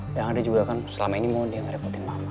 yang ada juga kan selama ini mau dia ngerepotin mama